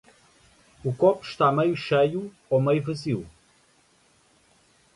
O copo está meio cheio ou meio vazio?